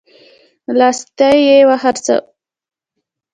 لاستی يې وڅرخوه.